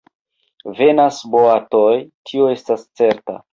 Venas boatoj, tio estas certa.